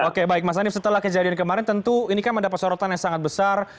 oke baik mas hanif setelah kejadian kemarin tentu ini kan mendapat sorotan yang sangat besar